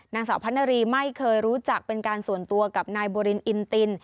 นางสาวพัฒนารีไม่เคยรู้จักเป็นการส่วนตัวกับนายบรินอินติน